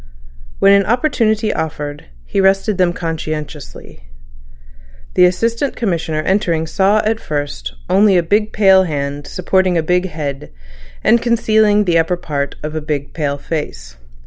When an opportunity offered, he rested them conscientiously. The Assistant Commissioner entering saw at first only a big pale hand supporting a big head, and concealing the upper part of a big pale face.